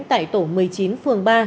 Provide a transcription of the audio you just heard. tại tổ một mươi chín phương ba